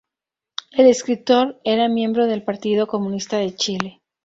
El escritor era miembro del Partido Comunista de Chile.